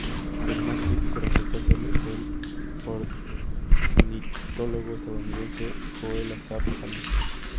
El más crítico resultó ser el ornitólogo estadounidense Joel Asaph Allen.